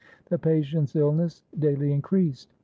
The patient's illness daily increased.